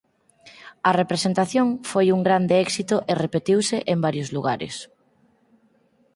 A representación foi un grande éxito e repetiuse en varios lugares.